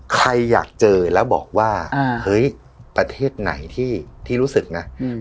ใครอยากเจอแล้วบอกว่าเฮ้ยประเทศไหนที่รู้สึกนะ